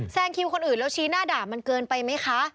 คิวคนอื่นแล้วชี้หน้าด่ามันเกินไปไหมคะ